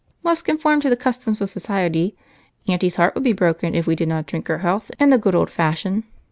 "Must conform to the customs of society. Aunty's heart would be broken if we did not drink her health in the good old fashion.